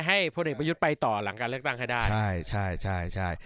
ให้พวกเด็กไปยุดไปต่อหลังการเลือกตั้งให้ได้ใช่ใช่ใช่ใช่